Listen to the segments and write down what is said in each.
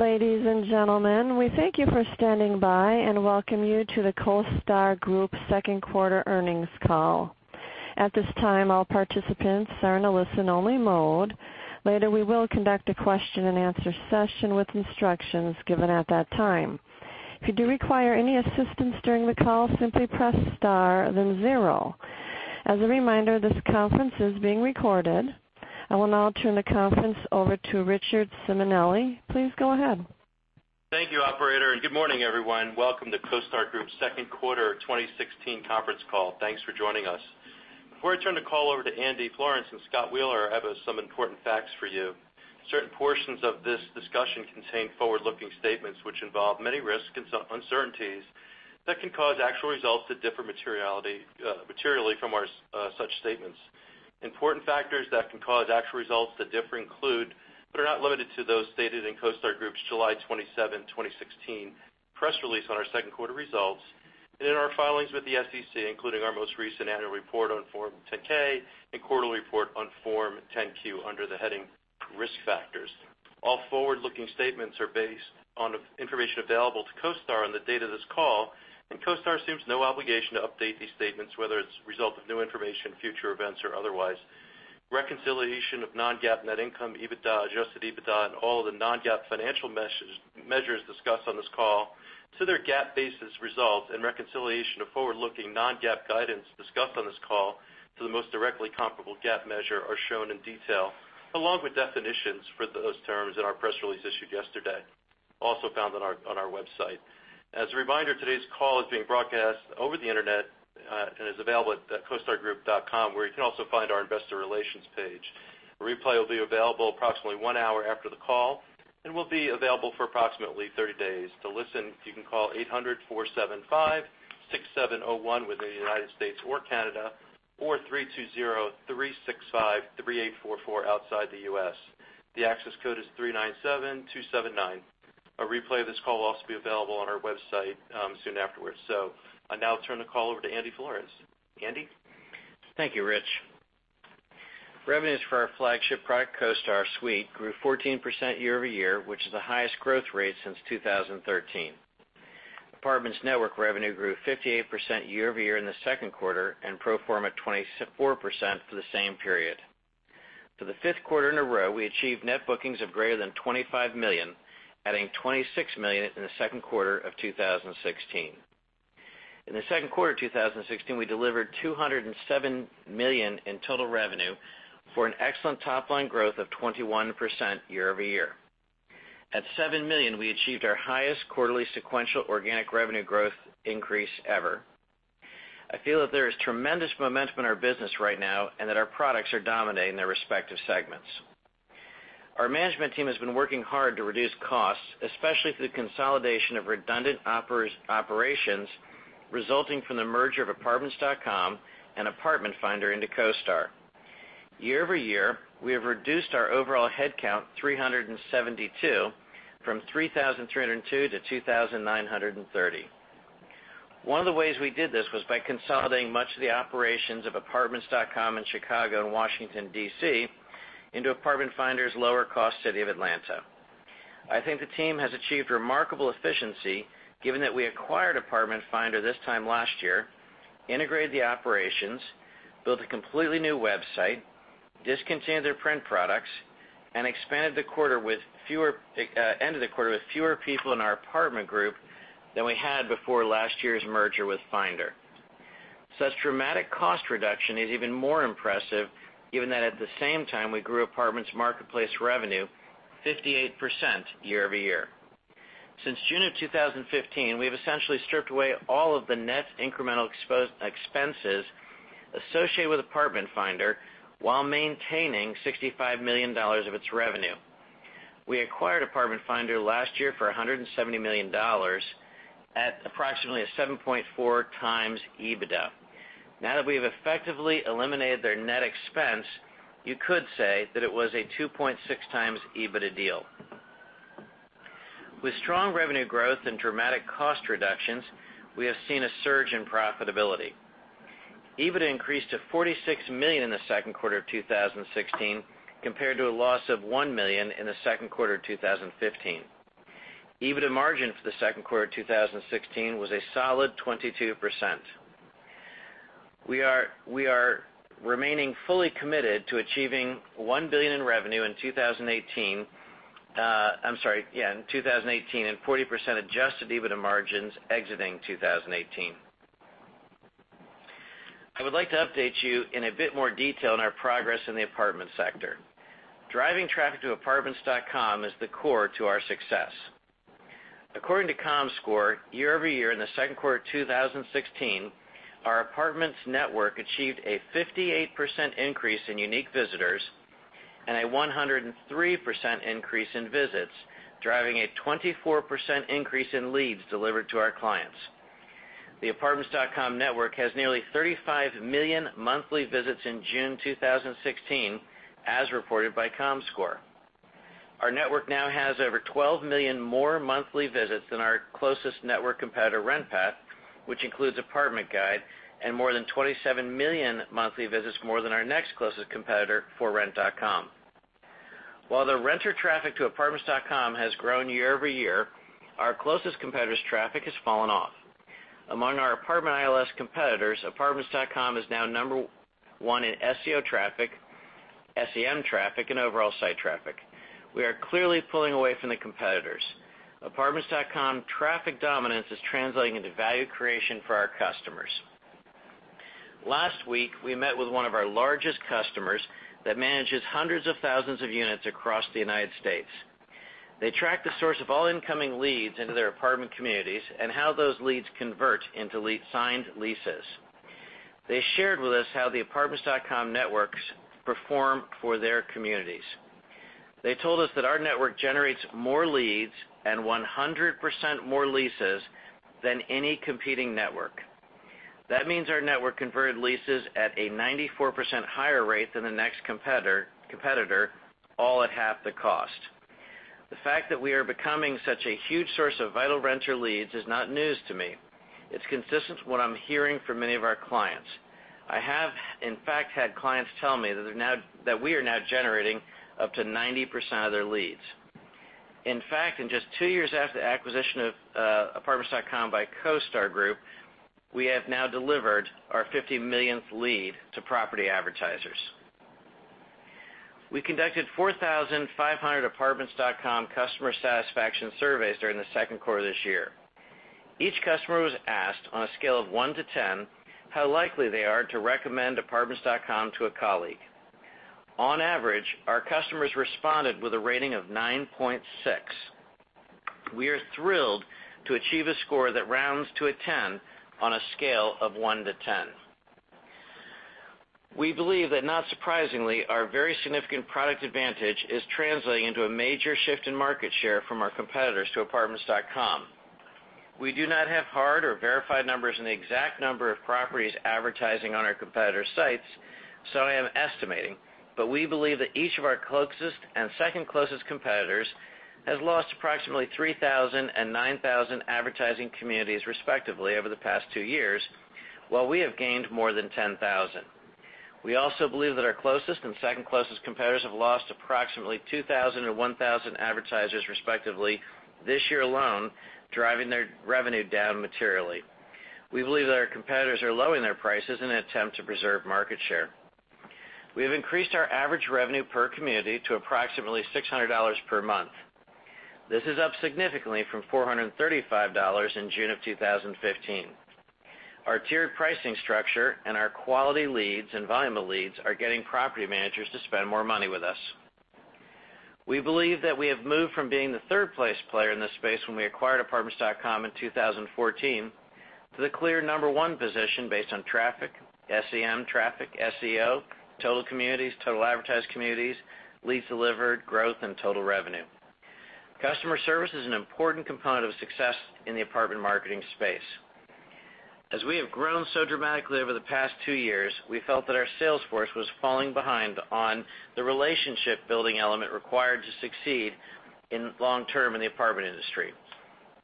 Ladies and gentlemen, we thank you for standing by, and welcome you to the CoStar Group second quarter earnings call. At this time, all participants are in a listen-only mode. Later, we will conduct a question-and-answer session with instructions given at that time. If you do require any assistance during the call, simply press star, then zero. As a reminder, this conference is being recorded. I will now turn the conference over to Richard Simonelli. Please go ahead. Thank you, operator. Good morning, everyone. Welcome to CoStar Group's second quarter 2016 conference call. Thanks for joining us. Before I turn the call over to Andy Florance and Scott Wheeler, I have some important facts for you. Certain portions of this discussion contain forward-looking statements which involve many risks and uncertainties that can cause actual results to differ materially from such statements. Important factors that can cause actual results to differ include, but are not limited to, those stated in CoStar Group's July 27, 2016, press release on our second quarter results and in our filings with the SEC, including our most recent annual report on Form 10-K and quarterly report on Form 10-Q under the heading Risk Factors. All forward-looking statements are based on information available to CoStar on the date of this call. CoStar assumes no obligation to update these statements, whether it's a result of new information, future events, or otherwise. Reconciliation of non-GAAP net income, EBITDA, adjusted EBITDA, and all other non-GAAP financial measures discussed on this call to their GAAP-basis results and reconciliation of forward-looking non-GAAP guidance discussed on this call to the most directly comparable GAAP measure are shown in detail, along with definitions for those terms in our press release issued yesterday, also found on our website. As a reminder, today's call is being broadcast over the internet and is available at costargroup.com, where you can also find our investor relations page. A replay will be available approximately one hour after the call and will be available for approximately 30 days. To listen, you can call 800-475-6701 within the United States or Canada, or 320-365-3844 outside the U.S. The access code is 397-279. A replay of this call will also be available on our website soon afterwards. I'll now turn the call over to Andy Florance. Andy? Thank you, Rich. Revenues for our flagship product, CoStar Suite, grew 14% year-over-year, which is the highest growth rate since 2013. Apartments.com Network revenue grew 58% year-over-year in the second quarter and pro forma 24% for the same period. For the fifth quarter in a row, we achieved net bookings of greater than $25 million, adding $26 million in the second quarter of 2016. In the second quarter of 2016, we delivered $207 million in total revenue for an excellent top-line growth of 21% year-over-year. At $7 million, we achieved our highest quarterly sequential organic revenue growth increase ever. I feel that there is tremendous momentum in our business right now and that our products are dominating their respective segments. Our management team has been working hard to reduce costs, especially through the consolidation of redundant operations resulting from the merger of Apartments.com and Apartment Finder into CoStar. Year-over-year, we have reduced our overall headcount 372, from 3,302 to 2,930. One of the ways we did this was by consolidating much of the operations of Apartments.com in Chicago and Washington, D.C., into Apartment Finder's lower-cost city of Atlanta. I think the team has achieved remarkable efficiency given that we acquired Apartment Finder this time last year, integrated the operations, built a completely new website, discontinued their print products, and ended the quarter with fewer people in our apartment group than we had before last year's merger with Finder. Such dramatic cost reduction is even more impressive given that at the same time, we grew Apartments marketplace revenue 58% year-over-year. Since June of 2015, we've essentially stripped away all of the net incremental expenses associated with Apartment Finder while maintaining $65 million of its revenue. We acquired Apartment Finder last year for $170 million at approximately a 7.4x EBITDA. Now that we've effectively eliminated their net expense, you could say that it was a 2.6x EBITDA deal. With strong revenue growth and dramatic cost reductions, we have seen a surge in profitability. EBITDA increased to $46 million in the second quarter of 2016, compared to a loss of $1 million in the second quarter of 2015. EBITDA margin for the second quarter of 2016 was a solid 22%. We are remaining fully committed to achieving $1 billion in revenue in 2018 and 40% adjusted EBITDA margins exiting 2018. I would like to update you in a bit more detail on our progress in the apartment sector. Driving traffic to Apartments.com is the core to our success. According to Comscore, year-over-year in the second quarter of 2016, our Apartments.com Network achieved a 58% increase in unique visitors and a 103% increase in visits, driving a 24% increase in leads delivered to our clients. The Apartments.com Network has nearly 35 million monthly visits in June 2016, as reported by Comscore. Our network now has over 12 million more monthly visits than our closest network competitor, RentPath, which includes Apartment Guide, and more than 27 million monthly visits more than our next closest competitor, ForRent.com. While the renter traffic to Apartments.com has grown year-over-year, our closest competitor's traffic has fallen off. Among our apartment ILS competitors, Apartments.com is now number one in SEO traffic, SEM traffic, and overall site traffic. We are clearly pulling away from the competitors. Apartments.com traffic dominance is translating into value creation for our customers. Last week, we met with one of our largest customers that manages hundreds of thousands of units across the U.S. They track the source of all incoming leads into their apartment communities and how those leads convert into signed leases. They shared with us how the Apartments.com Network performs for their communities. They told us that our network generates more leads and 100% more leases than any competing network. That means our network converted leases at a 94% higher rate than the next competitor, all at half the cost. The fact that we are becoming such a huge source of vital renter leads is not news to me. It's consistent to what I'm hearing from many of our clients. I have, in fact, had clients tell me that we are now generating up to 90% of their leads. In fact, in just 2 years after the acquisition of Apartments.com by CoStar Group, we have now delivered our 50 millionth lead to property advertisers. We conducted 4,500 Apartments.com customer satisfaction surveys during the second quarter of this year. Each customer was asked on a scale of one to 10 how likely they are to recommend Apartments.com to a colleague. On average, our customers responded with a rating of 9.6. We are thrilled to achieve a score that rounds to a 10 on a scale of one to 10. We believe that, not surprisingly, our very significant product advantage is translating into a major shift in market share from our competitors to Apartments.com. We do not have hard or verified numbers on the exact number of properties advertising on our competitors' sites, so I am estimating, but we believe that each of our closest and second closest competitors has lost approximately 3,000 and 9,000 advertising communities, respectively, over the past 2 years, while we have gained more than 10,000. We also believe that our closest and second closest competitors have lost approximately 2,000 and 1,000 advertisers respectively this year alone, driving their revenue down materially. We believe that our competitors are lowering their prices in an attempt to preserve market share. We have increased our average revenue per community to approximately $600 per month. This is up significantly from $435 in June of 2015. Our tiered pricing structure and our quality leads and volume of leads are getting property managers to spend more money with us. We believe that we have moved from being the third-place player in this space when we acquired Apartments.com in 2014 to the clear number one position based on traffic, SEM traffic, SEO, total communities, total advertised communities, leads delivered, growth, and total revenue. Customer service is an important component of success in the apartment marketing space. As we have grown so dramatically over the past 2 years, we felt that our sales force was falling behind on the relationship-building element required to succeed long-term in the apartment industry.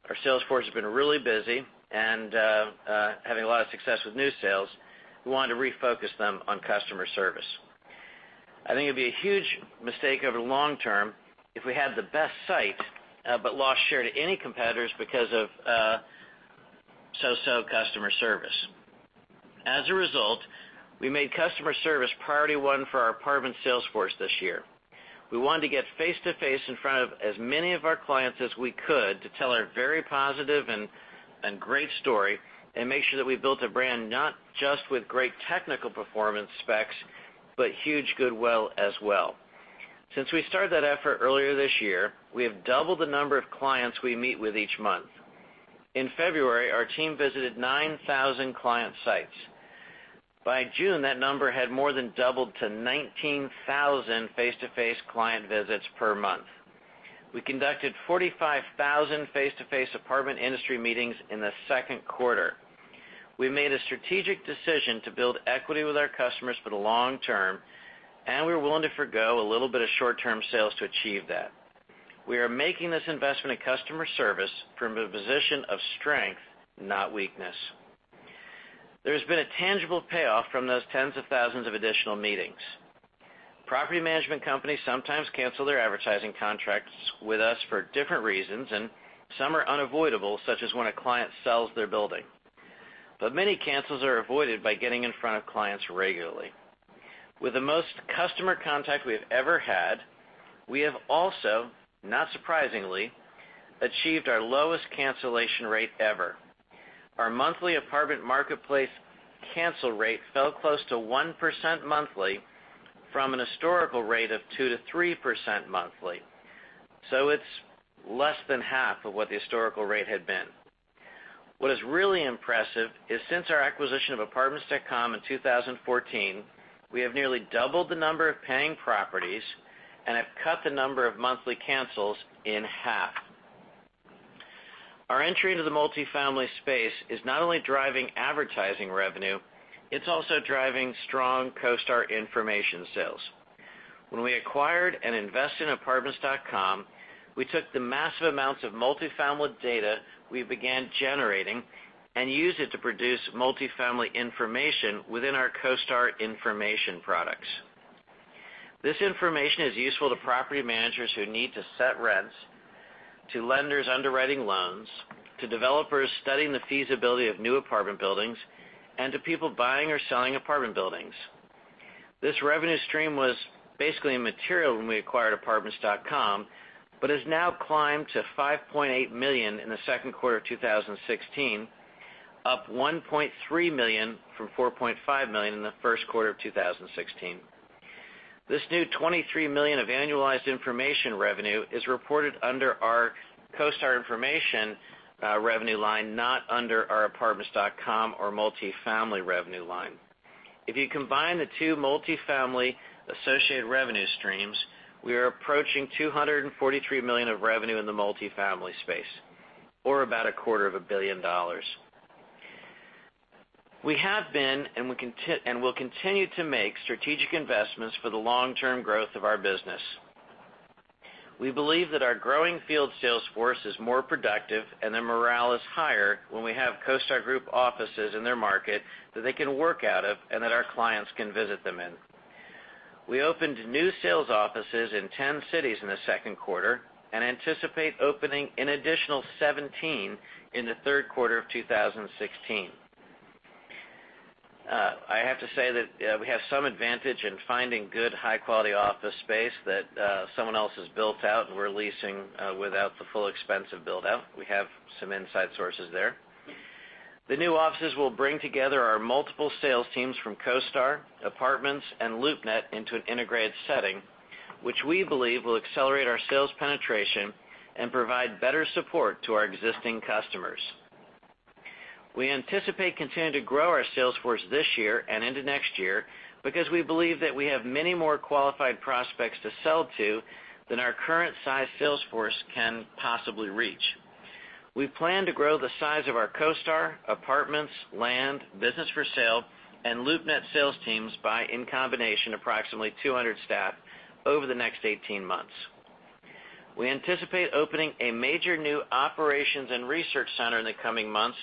Our sales force has been really busy and having a lot of success with new sales. We wanted to refocus them on customer service. I think it'd be a huge mistake over the long term if we had the best site, lost share to any competitors because of so-so customer service. As a result, we made customer service priority one for our apartment sales force this year. We wanted to get face-to-face in front of as many of our clients as we could to tell our very positive and great story and make sure that we built a brand not just with great technical performance specs, but huge goodwill as well. Since we started that effort earlier this year, we have doubled the number of clients we meet with each month. In February, our team visited 9,000 client sites. By June, that number had more than doubled to 19,000 face-to-face client visits per month. We conducted 45,000 face-to-face apartment industry meetings in the second quarter. We made a strategic decision to build equity with our customers for the long term, and we were willing to forgo a little bit of short-term sales to achieve that. We are making this investment in customer service from a position of strength, not weakness. There has been a tangible payoff from those tens of thousands of additional meetings. Property management companies sometimes cancel their advertising contracts with us for different reasons, and some are unavoidable, such as when a client sells their building. Many cancels are avoided by getting in front of clients regularly. With the most customer contact we have ever had, we have also, not surprisingly, achieved our lowest cancellation rate ever. Our monthly apartment marketplace cancel rate fell close to 1% monthly from an historical rate of 2%-3% monthly. It's less than half of what the historical rate had been. What is really impressive is since our acquisition of Apartments.com in 2014, we have nearly doubled the number of paying properties and have cut the number of monthly cancels in half. Our entry into the multifamily space is not only driving advertising revenue, it's also driving strong CoStar information sales. When we acquired and invested in Apartments.com, we took the massive amounts of multifamily data we began generating and used it to produce multifamily information within our CoStar information products. This information is useful to property managers who need to set rents, to lenders underwriting loans, to developers studying the feasibility of new apartment buildings, and to people buying or selling apartment buildings. This revenue stream was basically immaterial when we acquired Apartments.com, but has now climbed to $5.8 million in the second quarter of 2016, up $1.3 million from $4.5 million in the first quarter of 2016. This new $23 million of annualized information revenue is reported under our CoStar information revenue line, not under our Apartments.com or multifamily revenue line. If you combine the two multifamily-associated revenue streams, we are approaching $243 million of revenue in the multifamily space, or about a quarter of a billion dollars. We have been and will continue to make strategic investments for the long-term growth of our business. We believe that our growing field sales force is more productive and their morale is higher when we have CoStar Group offices in their market that they can work out of and that our clients can visit them in. We opened new sales offices in 10 cities in the second quarter and anticipate opening an additional 17 in the third quarter of 2016. I have to say that we have some advantage in finding good high-quality office space that someone else has built out, and we're leasing without the full expense of build-out. We have some inside sources there. The new offices will bring together our multiple sales teams from CoStar, Apartments, and LoopNet into an integrated setting, which we believe will accelerate our sales penetration and provide better support to our existing customers. We anticipate continuing to grow our sales force this year and into next year because we believe that we have many more qualified prospects to sell to than our current size sales force can possibly reach. We plan to grow the size of our CoStar, Apartments, land, business for sale, and LoopNet sales teams by, in combination, approximately 200 staff over the next 18 months. We anticipate opening a major new operations and research center in the coming months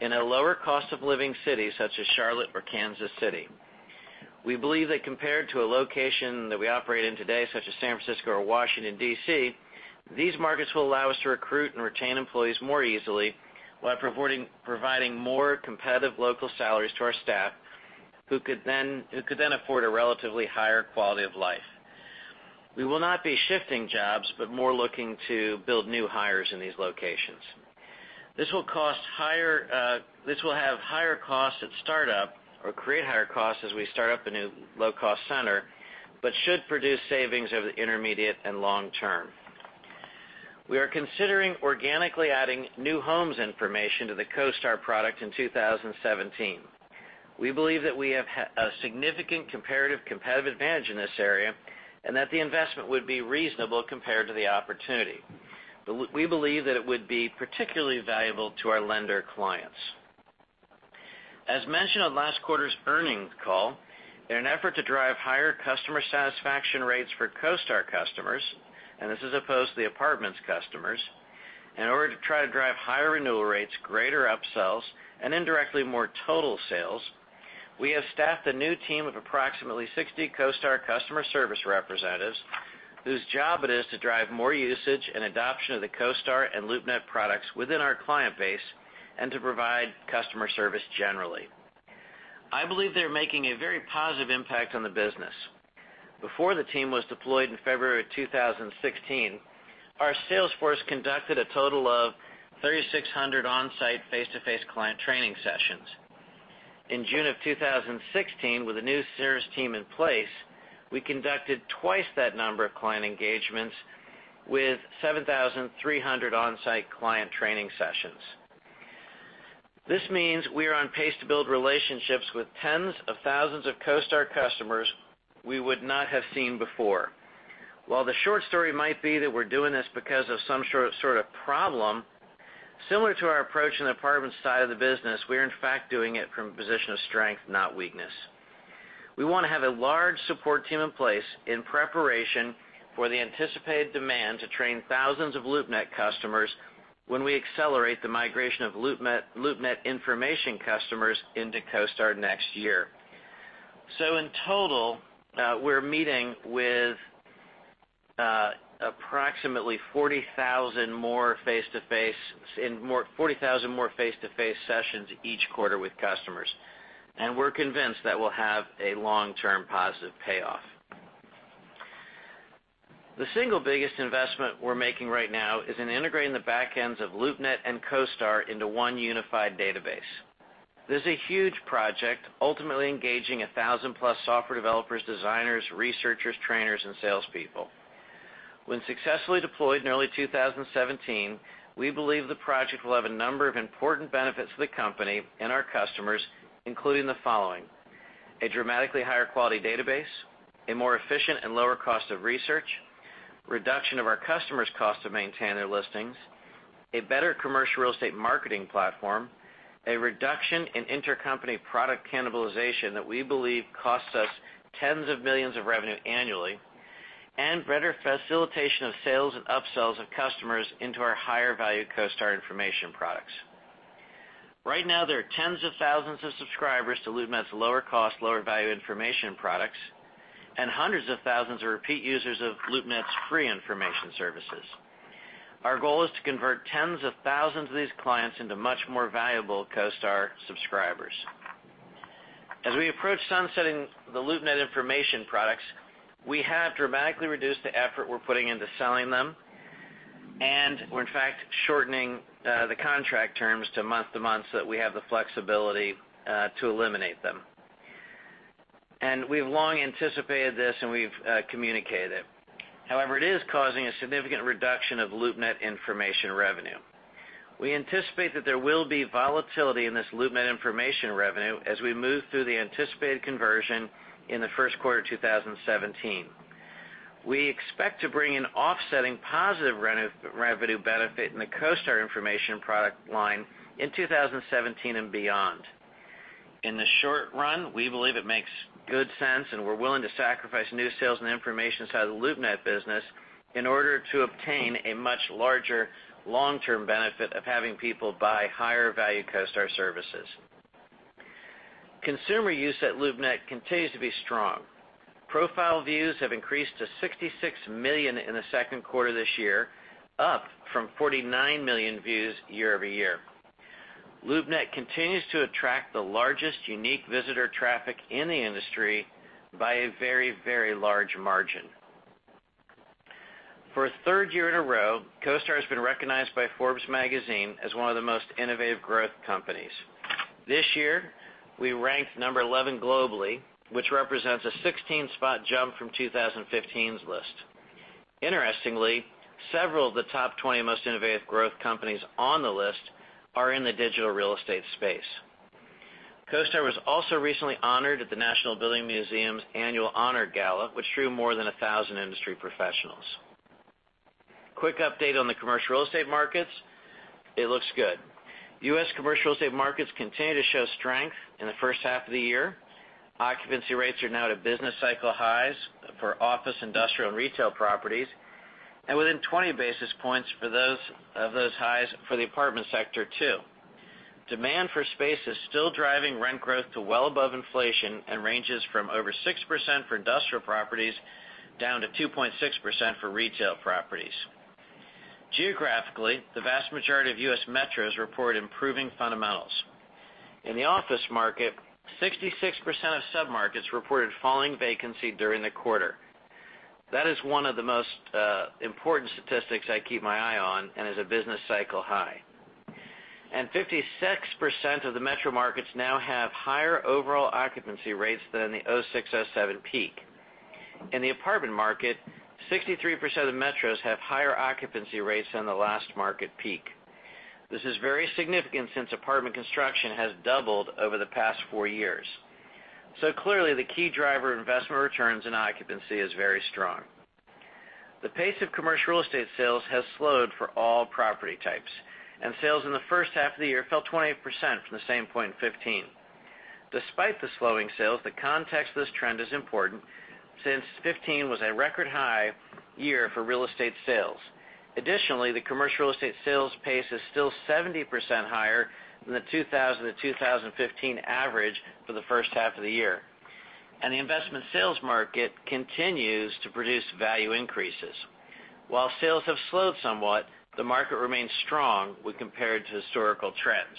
in a lower cost of living city such as Charlotte or Kansas City. We believe that compared to a location that we operate in today, such as San Francisco or Washington, D.C., these markets will allow us to recruit and retain employees more easily while providing more competitive local salaries to our staff who could then afford a relatively higher quality of life. We will not be shifting jobs, but more looking to build new hires in these locations. This will have higher costs at startup or create higher costs as we start up a new low-cost center, but should produce savings over the intermediate and long term. We are considering organically adding new homes information to the CoStar product in 2017. We believe that we have a significant comparative competitive advantage in this area and that the investment would be reasonable compared to the opportunity. We believe that it would be particularly valuable to our lender clients. As mentioned on last quarter's earnings call, in an effort to drive higher customer satisfaction rates for CoStar customers, and this is opposed to the Apartments customers, in order to try to drive higher renewal rates, greater upsells, and indirectly, more total sales, we have staffed a new team of approximately 60 CoStar customer service representatives whose job it is to drive more usage and adoption of the CoStar and LoopNet products within our client base and to provide customer service generally. I believe they're making a very positive impact on the business. Before the team was deployed in February of 2016, our sales force conducted a total of 3,600 on-site face-to-face client training sessions. In June of 2016, with a new service team in place, we conducted twice that number of client engagements with 7,300 on-site client training sessions. This means we are on pace to build relationships with tens of thousands of CoStar customers we would not have seen before. While the short story might be that we're doing this because of some sort of problem, similar to our approach on the Apartments side of the business, we are in fact doing it from a position of strength, not weakness. We want to have a large support team in place in preparation for the anticipated demand to train thousands of LoopNet customers when we accelerate the migration of LoopNet information customers into CoStar next year. In total, we're meeting with approximately 40,000 more face-to-face sessions each quarter with customers, and we're convinced that we'll have a long-term positive payoff. The single biggest investment we're making right now is in integrating the back ends of LoopNet and CoStar into one unified database. This is a huge project, ultimately engaging 1,000-plus software developers, designers, researchers, trainers, and salespeople. When successfully deployed in early 2017, we believe the project will have a number of important benefits to the company and our customers, including the following: A dramatically higher quality database, a more efficient and lower cost of research, reduction of our customers' cost to maintain their listings, a better commercial real estate marketing platform, a reduction in inter-company product cannibalization that we believe costs us tens of millions of revenue annually, and better facilitation of sales and up-sells of customers into our higher value CoStar information products. Right now, there are tens of thousands of subscribers to LoopNet's lower cost, lower value information products, and hundreds of thousands of repeat users of LoopNet's free information services. Our goal is to convert tens of thousands of these clients into much more valuable CoStar subscribers. As we approach sunsetting the LoopNet information products, we have dramatically reduced the effort we're putting into selling them, and we're in fact shortening the contract terms to month-to-month so that we have the flexibility to eliminate them. We've long anticipated this, and we've communicated it. However, it is causing a significant reduction of LoopNet information revenue. We anticipate that there will be volatility in this LoopNet information revenue as we move through the anticipated conversion in the first quarter 2017. We expect to bring an offsetting positive revenue benefit in the CoStar information product line in 2017 and beyond. In the short run, we believe it makes good sense, we're willing to sacrifice new sales and information side of the LoopNet business in order to obtain a much larger long-term benefit of having people buy higher value CoStar services. Consumer use at LoopNet continues to be strong. Profile views have increased to 66 million in the second quarter this year, up from 49 million views year-over-year. LoopNet continues to attract the largest unique visitor traffic in the industry by a very large margin. For a third year in a row, CoStar has been recognized by Forbes magazine as one of the most innovative growth companies. This year, we ranked number 11 globally, which represents a 16-spot jump from 2015's list. Interestingly, several of the top 20 most innovative growth companies on the list are in the digital real estate space. CoStar was also recently honored at the National Building Museum's annual Honor Gala, which drew more than 1,000 industry professionals. Quick update on the commercial real estate markets, it looks good. U.S. commercial real estate markets continue to show strength in the first half of the year. Occupancy rates are now at business cycle highs for office, industrial, and retail properties, and within 20 basis points for those of those highs for the apartment sector too. Demand for space is still driving rent growth to well above inflation and ranges from over 6% for industrial properties, down to 2.6% for retail properties. Geographically, the vast majority of U.S. metros report improving fundamentals. In the office market, 66% of submarkets reported falling vacancy during the quarter. That is one of the most important statistics I keep my eye on and is a business cycle high. 56% of the metro markets now have higher overall occupancy rates than the 2006, 2007 peak. In the apartment market, 63% of metros have higher occupancy rates than the last market peak. This is very significant since apartment construction has doubled over the past four years. Clearly, the key driver of investment returns and occupancy is very strong. The pace of commercial real estate sales has slowed for all property types, and sales in the first half of the year fell 28% from the same point in 2015. Despite the slowing sales, the context of this trend is important, since 2015 was a record high year for real estate sales. Additionally, the commercial real estate sales pace is still 70% higher than the 2000 to 2015 average for the first half of the year. The investment sales market continues to produce value increases. While sales have slowed somewhat, the market remains strong when compared to historical trends.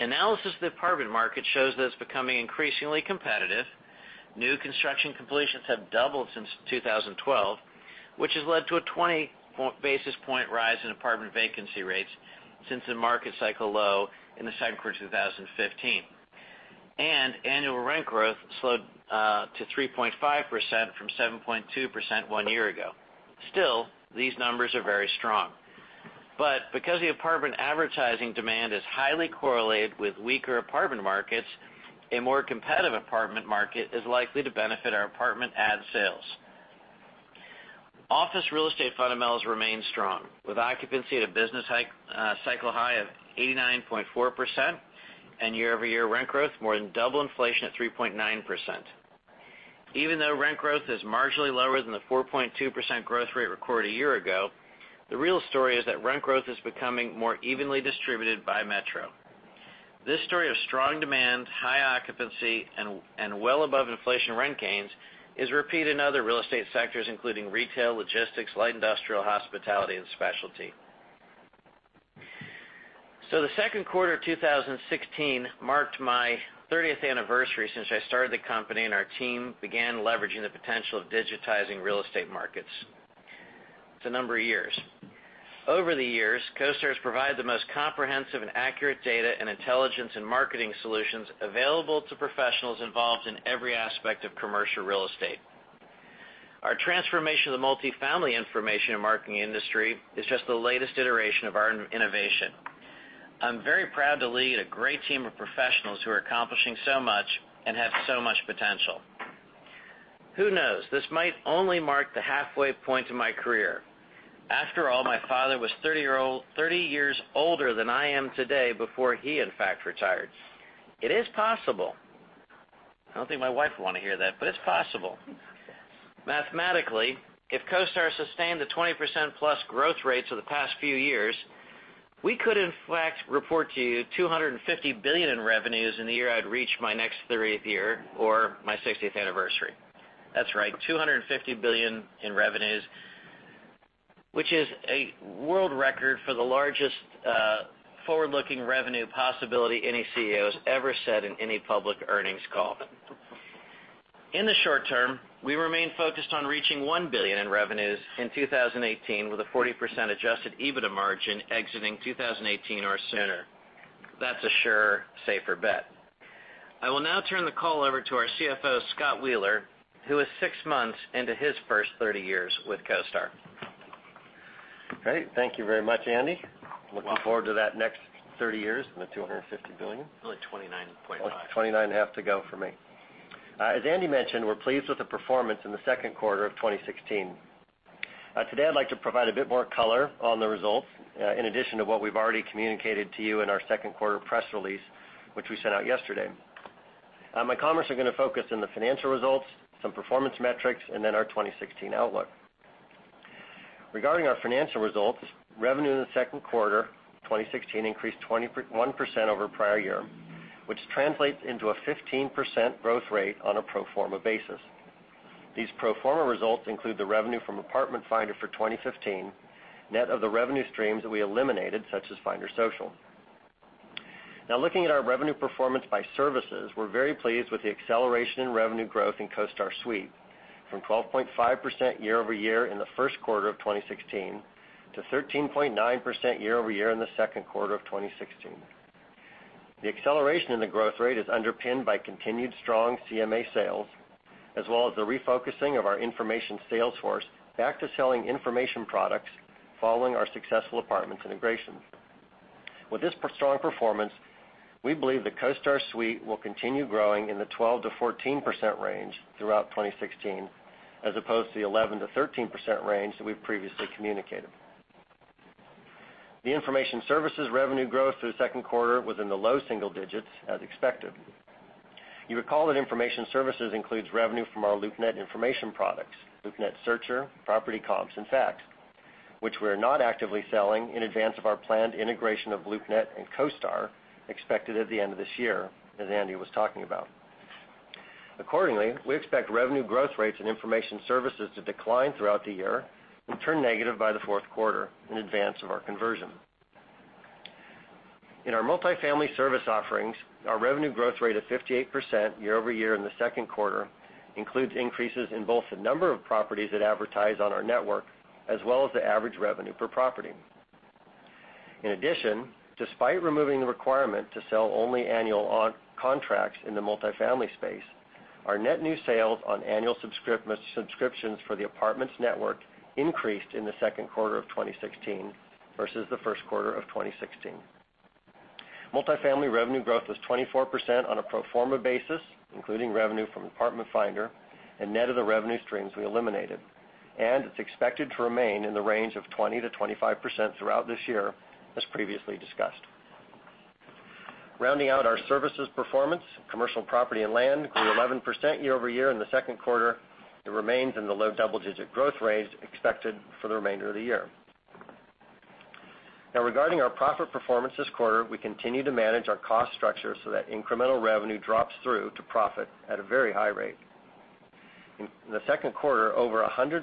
Analysis of the apartment market shows that it's becoming increasingly competitive. New construction completions have doubled since 2012, which has led to a 20 basis point rise in apartment vacancy rates since the market cycle low in the second quarter 2015. Annual rent growth slowed to 3.5% from 7.2% one year ago. Still, these numbers are very strong. Because the apartment advertising demand is highly correlated with weaker apartment markets, a more competitive apartment market is likely to benefit our apartment ad sales. Office real estate fundamentals remain strong, with occupancy at a business cycle high of 89.4% and year-over-year rent growth more than double inflation at 3.9%. Even though rent growth is marginally lower than the 4.2% growth rate recorded one year ago, the real story is that rent growth is becoming more evenly distributed by metro. This story of strong demand, high occupancy, and well above inflation rent gains is repeated in other real estate sectors, including retail, logistics, light industrial, hospitality, and specialty. The second quarter 2016 marked my 30th anniversary since I started the company, and our team began leveraging the potential of digitizing real estate markets. It's a number of years. Over the years, CoStar has provided the most comprehensive and accurate data and intelligence and marketing solutions available to professionals involved in every aspect of commercial real estate. Our transformation of the multifamily information and marketing industry is just the latest iteration of our innovation. I'm very proud to lead a great team of professionals who are accomplishing so much and have so much potential. Who knows? This might only mark the halfway point in my career. After all, my father was 30 years older than I am today before he, in fact, retired. It is possible. I don't think my wife would want to hear that, but it's possible. Mathematically, if CoStar sustained the 20%+ growth rates of the past few years, we could in fact report to you $250 billion in revenues in the year I'd reach my next 30th year or my 60th anniversary. That's right, $250 billion in revenues, which is a world record for the largest forward-looking revenue possibility any CEO has ever said in any public earnings call. In the short term, we remain focused on reaching $1 billion in revenues in 2018 with a 40% adjusted EBITDA margin exiting 2018 or sooner. That's a surer, safer bet. I will now turn the call over to our CFO, Scott Wheeler, who is six months into his first 30 years with CoStar. Great. Thank you very much, Andy. You're welcome. Looking forward to that next 30 years and the $250 billion. Only 29.5. 29 and a half to go for me. As Andy mentioned, we're pleased with the performance in the second quarter of 2016. Today, I'd like to provide a bit more color on the results, in addition to what we've already communicated to you in our second quarter press release, which we sent out yesterday. My comments are going to focus on the financial results, some performance metrics, and then our 2016 outlook. Regarding our financial results, revenue in the second quarter 2016 increased 21% over prior year, which translates into a 15% growth rate on a pro forma basis. These pro forma results include the revenue from Apartment Finder for 2015, net of the revenue streams that we eliminated, such as Finder Social. Looking at our revenue performance by services, we're very pleased with the acceleration in revenue growth in CoStar Suite from 12.5% year-over-year in the first quarter of 2016 to 13.9% year-over-year in the second quarter of 2016. The acceleration in the growth rate is underpinned by continued strong CMA sales, as well as the refocusing of our information sales force back to selling information products following our successful Apartments integration. With this strong performance, we believe the CoStar Suite will continue growing in the 12%-14% range throughout 2016, as opposed to the 11%-13% range that we've previously communicated. The information services revenue growth through the second quarter was in the low single digits, as expected. You recall that information services includes revenue from our LoopNet information products, LoopNet Searcher, Property Comp, and Fact, which we're not actively selling in advance of our planned integration of LoopNet and CoStar expected at the end of this year, as Andy was talking about. Accordingly, we expect revenue growth rates and information services to decline throughout the year and turn negative by the fourth quarter in advance of our conversion. In our multifamily service offerings, our revenue growth rate of 58% year-over-year in the second quarter includes increases in both the number of properties that advertise on our network, as well as the average revenue per property. In addition, despite removing the requirement to sell only annual contracts in the multifamily space, our net new sales on annual subscriptions for the Apartments Network increased in the second quarter of 2016 versus the first quarter of 2016. Multifamily revenue growth was 24% on a pro forma basis, including revenue from Apartment Finder and net of the revenue streams we eliminated. It's expected to remain in the range of 20%-25% throughout this year, as previously discussed. Rounding out our services performance, commercial property and land grew 11% year-over-year in the second quarter. It remains in the low double-digit growth range expected for the remainder of the year. Regarding our profit performance this quarter, we continue to manage our cost structure so that incremental revenue drops through to profit at a very high rate. In the second quarter, over 100%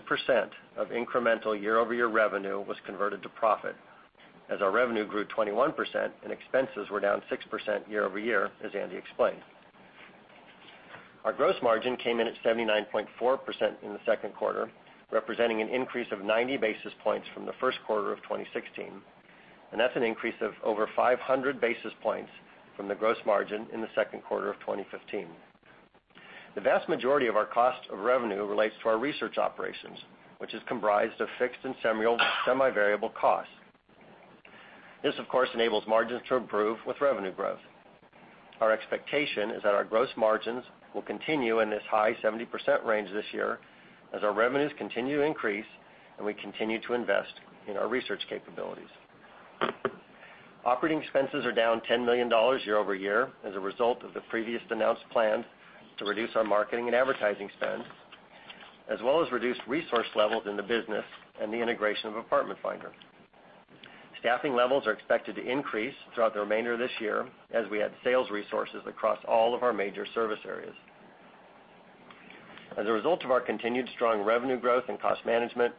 of incremental year-over-year revenue was converted to profit as our revenue grew 21% and expenses were down 6% year-over-year, as Andy explained. Our gross margin came in at 79.4% in the second quarter, representing an increase of 90 basis points from the first quarter of 2016, that's an increase of over 500 basis points from the gross margin in the second quarter of 2015. The vast majority of our cost of revenue relates to our research operations, which is comprised of fixed and semi-variable costs. This, of course, enables margins to improve with revenue growth. Our expectation is that our gross margins will continue in this high 70% range this year as our revenues continue to increase and we continue to invest in our research capabilities. Operating expenses are down $10 million year-over-year as a result of the previously announced plan to reduce our marketing and advertising spend, as well as reduce resource levels in the business and the integration of Apartment Finder. Staffing levels are expected to increase throughout the remainder of this year as we add sales resources across all of our major service areas. As a result of our continued strong revenue growth and cost management,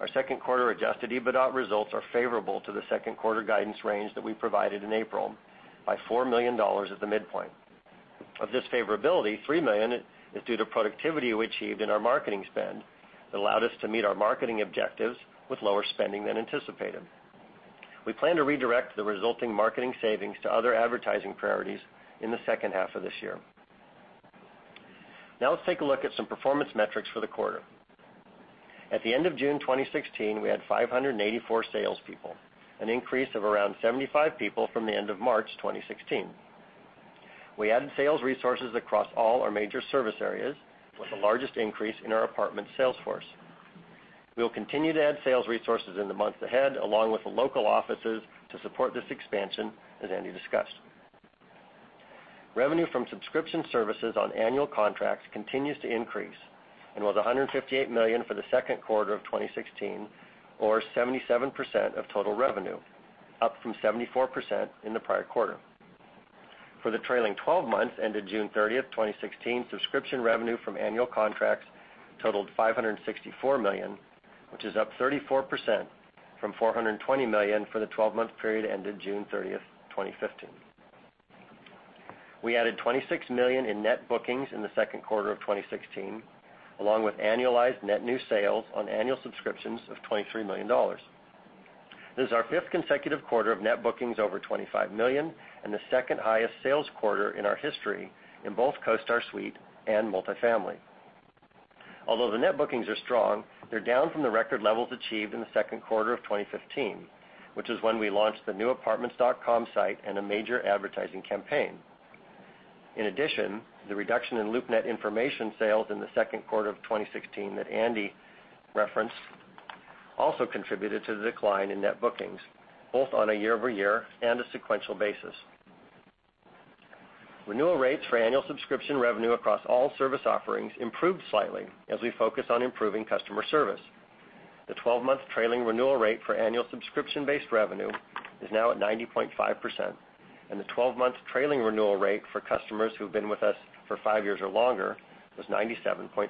our second quarter adjusted EBITDA results are favorable to the second quarter guidance range that we provided in April by $4 million at the midpoint. Of this favorability, $3 million is due to productivity we achieved in our marketing spend that allowed us to meet our marketing objectives with lower spending than anticipated. We plan to redirect the resulting marketing savings to other advertising priorities in the second half of this year. Let's take a look at some performance metrics for the quarter. At the end of June 2016, we had 584 salespeople, an increase of around 75 people from the end of March 2016. We added sales resources across all our major service areas, with the largest increase in our apartment sales force. We'll continue to add sales resources in the months ahead, along with the local offices to support this expansion, as Andy discussed. Revenue from subscription services on annual contracts continues to increase and was $158 million for the second quarter of 2016, or 77% of total revenue, up from 74% in the prior quarter. For the trailing 12 months ended June 30th, 2016, subscription revenue from annual contracts totaled $564 million, which is up 34% from $420 million for the 12-month period ended June 30th, 2015. We added $26 million in net bookings in the second quarter of 2016, along with annualized net new sales on annual subscriptions of $23 million. This is our 5th consecutive quarter of net bookings over $25 million and the second highest sales quarter in our history in both CoStar Suite and multifamily. Although the net bookings are strong, they're down from the record levels achieved in the second quarter of 2015, which is when we launched the new Apartments.com site and a major advertising campaign. In addition, the reduction in LoopNet information sales in the second quarter of 2016 that Andy referenced also contributed to the decline in net bookings, both on a year-over-year and a sequential basis. Renewal rates for annual subscription revenue across all service offerings improved slightly as we focus on improving customer service. The 12-month trailing renewal rate for annual subscription-based revenue is now at 90.5%, and the 12-month trailing renewal rate for customers who've been with us for five years or longer was 97.3%.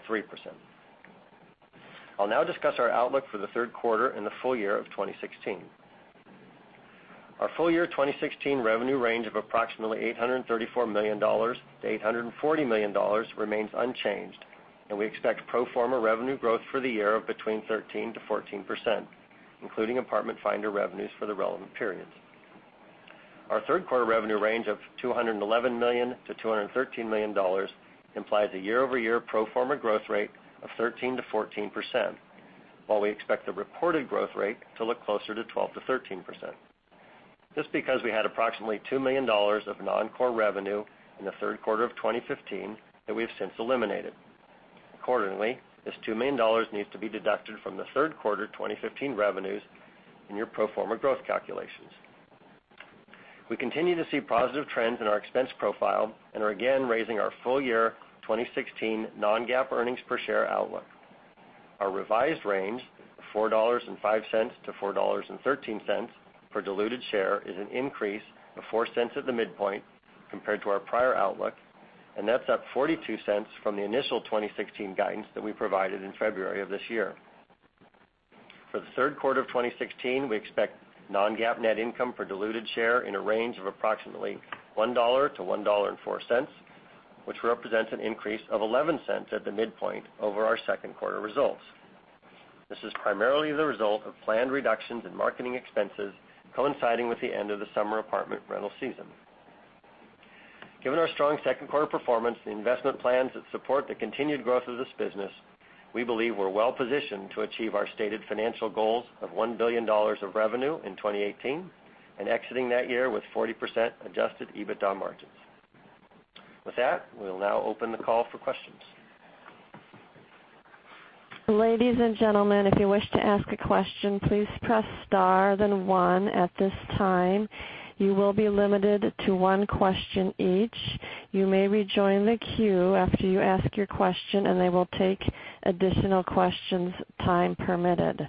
I'll now discuss our outlook for the third quarter and the full-year of 2016. Our full-year 2016 revenue range of approximately $834 million to $840 million remains unchanged, and we expect pro forma revenue growth for the year of between 13% to 14%, including Apartment Finder revenues for the relevant periods. Our third-quarter revenue range of $211 million to $213 million implies a year-over-year pro forma growth rate of 13% to 14%, while we expect the reported growth rate to look closer to 12% to 13%. This is because we had approximately $2 million of non-core revenue in the third quarter of 2015 that we have since eliminated. Accordingly, this $2 million needs to be deducted from the third quarter 2015 revenues in your pro forma growth calculations. We continue to see positive trends in our expense profile and are again raising our full-year 2016 non-GAAP earnings per share outlook. Our revised range of $4.05 to $4.13 per diluted share is an increase of $0.04 at the midpoint compared to our prior outlook, and that's up $0.42 from the initial 2016 guidance that we provided in February of this year. For the third quarter of 2016, we expect non-GAAP net income for diluted share in a range of approximately $1 to $1.04, which represents an increase of $0.11 at the midpoint over our second quarter results. This is primarily the result of planned reductions in marketing expenses coinciding with the end of the summer apartment rental season. Given our strong second quarter performance and the investment plans that support the continued growth of this business, we believe we're well-positioned to achieve our stated financial goals of $1 billion of revenue in 2018 and exiting that year with 40% adjusted EBITDA margins. With that, we'll now open the call for questions. Ladies and gentlemen, if you wish to ask a question, please press star then one at this time. You will be limited to one question each. You may rejoin the queue after you ask your question, and they will take additional questions time permitted.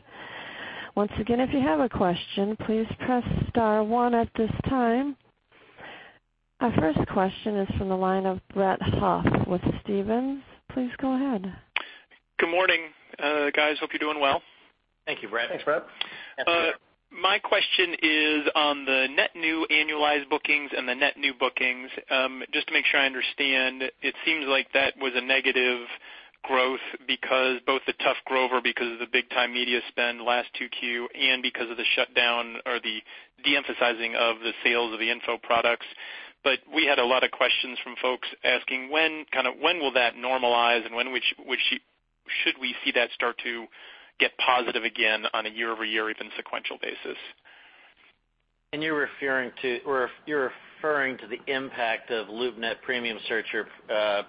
Once again, if you have a question, please press star one at this time. Our first question is from the line of Brett Huff with Stephens. Please go ahead. Good morning, guys. Hope you're doing well. Thank you, Brett. Thanks, Brett. My question is on the net new annualized bookings and the net new bookings. Just to make sure I understand, it seems like that was a negative growth because both the tough growth over, because of the big-time media spend last 2Q, and because of the shutdown or the de-emphasizing of the sales of the info products. We had a lot of questions from folks asking when will that normalize, and should we see that start to get positive again on a year-over-year, even sequential basis? You're referring to the impact of LoopNet premium search or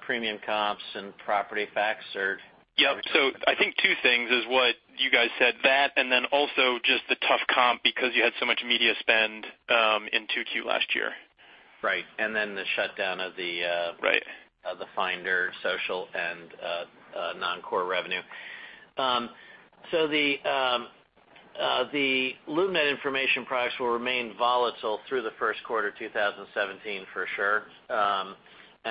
premium comps and property fact search? Yep. I think two things is what you guys said. That, also just the tough comp because you had so much media spend in 2Q last year. Right. Right of the Finder Social and non-core revenue. The LoopNet information products will remain volatile through the first quarter 2017 for sure.